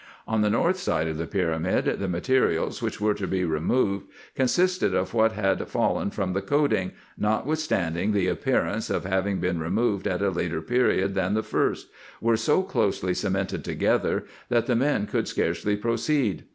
On the north side of the pyramid, the materials which were to be removed, consisting of what had fallen from the coating, notwithstanding the appearance of having been removed at a later period than the first, were so closely cemented together, that the men could scarcely proceed.